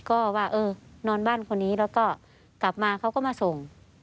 ก็ว่าเออนอนบ้านคนนี้แล้วก็กลับมาเขาก็มาส่ง